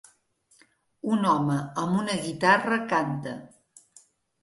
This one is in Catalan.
Un home amb una guitarra canta